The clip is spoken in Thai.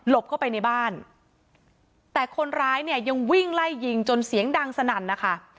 เข้าไปในบ้านแต่คนร้ายเนี่ยยังวิ่งไล่ยิงจนเสียงดังสนั่นนะคะ